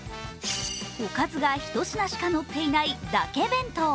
おかずが１品しかのっていないだけ弁当。